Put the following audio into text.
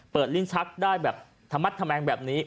เปิดลิ้นชักได้แบบถมัดทำแมงแบบนี้